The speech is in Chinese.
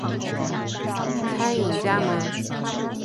餐饮加盟